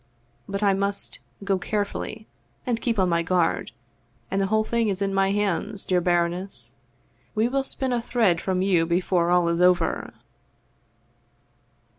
But I must go carefully and keep on my guard, and the whole thing is in my hands, dear baroness ! We will spin a thread from you before all is over.'